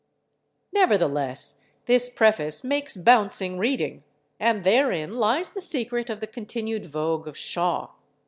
Nevertheless, this preface makes bouncing reading—and therein lies the secret of the continued vogue of Shaw.